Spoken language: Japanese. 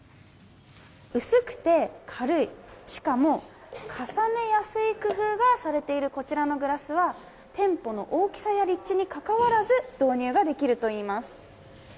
薄くて、軽いしかも、重ねやすい工夫がされているこちらのグラスは店舗の大きさや立地に関わらず導入ができるといいます。